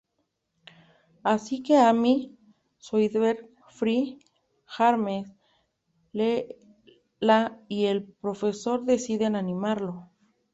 Así que Amy, Zoidberg, Fry, Hermes, Leela y el Profesor deciden animarlo.